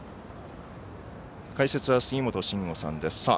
解説は杉本真吾さんです。